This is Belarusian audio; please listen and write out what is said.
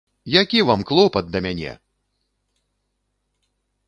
Які вам клопат да мяне!